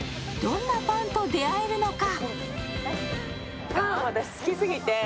どんなパンと出会えるのか。